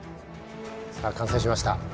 さあ完成しました。